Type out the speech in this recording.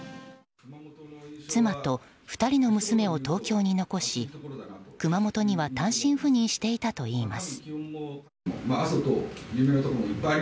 妻と２人の娘を東京に残し熊本には単身赴任していたといいます。